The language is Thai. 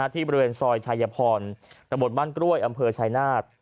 ที่บริเวณซอยชายพรตะบนบ้านกล้วยอำเภอชายนาฏ